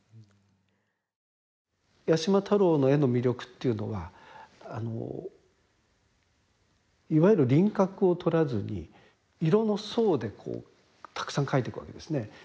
八島太郎の絵の魅力っていうのはあのいわゆる輪郭をとらずに色の層でこうたくさん描いていくわけですね。